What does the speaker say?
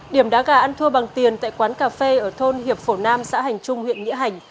điểm đá gà ăn thua bằng tiền tại quán cà phê ở thôn hiệp phổ nam xã hành trung huyện nghĩa hành